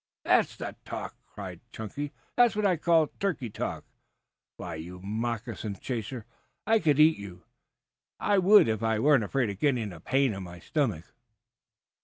"That's the talk," cried Chunky. "That's what I call turkey talk. Why, you moccasin chaser, I could eat you. I would if I weren't afraid of getting a pain in my stomach."